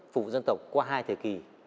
phục dân tộc qua hai thời kỳ